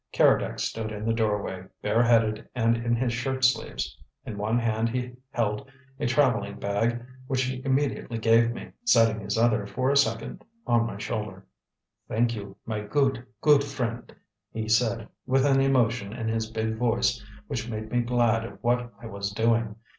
Keredec stood in the doorway, bare headed and in his shirt sleeves; in one hand he held a travelling bag, which he immediately gave me, setting his other for a second upon my shoulder. "Thank you, my good, good friend," he said with an emotion in his big voice which made me glad of what I was doing.